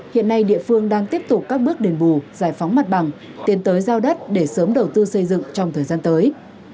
hiện nay địa phương đang tiếp tục các bước đền bù giải phóng mặt bằng tiến tới giao đất để sớm đầu tư xây dựng trong thời gian tới